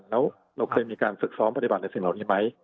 แล้วเราเคยมีการฝึกซ้อมปฏิบัติในสิ่งเหล่านี้ไหม